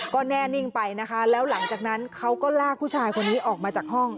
ก็แน่นิ่งไปนะคะแล้วหลังจากนั้นเขาก็ลากผู้ชายคนนี้ออกมาจากห้อง